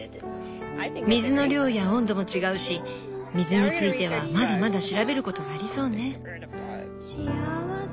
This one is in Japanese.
水の量や温度も違うし水についてはまだまだ調べることがありそうね。